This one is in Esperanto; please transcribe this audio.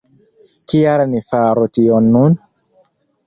Kial ni faru tion nun?